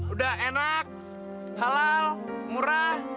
udah enak halal murah